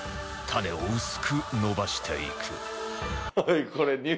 タネを薄く延ばしていく